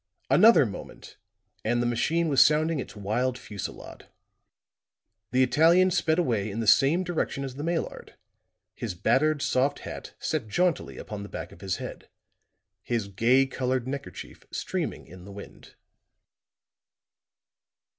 Another moment and the machine was sounding its wild fusillade; the Italian sped away in the same direction as the Maillard, his battered soft hat set jauntily upon the back of his head, his gay colored neckkerchief streaming in the wind.